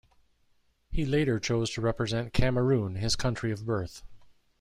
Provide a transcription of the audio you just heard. He later chose to represent Cameroon, his country of birth.